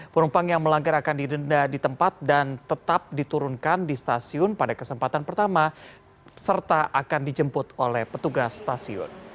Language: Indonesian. penumpang yang melanggar akan didenda di tempat dan tetap diturunkan di stasiun pada kesempatan pertama serta akan dijemput oleh petugas stasiun